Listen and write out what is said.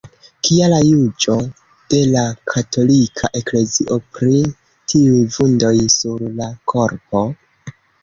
Kia la juĝo de la Katolika Eklezio pri tiuj vundoj sur la korpo?